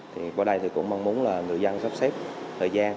thì qua đây thì cũng mong muốn là người dân sắp xếp thời gian